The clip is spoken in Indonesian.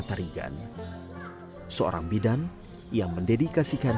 kerbin menemani ket avali hidup kesehatan